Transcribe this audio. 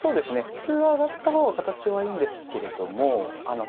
普通は上がった方が形はいいんですけれどもあの９